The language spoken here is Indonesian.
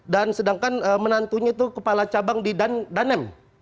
dan sedangkan menantunya itu kepala cabang di danem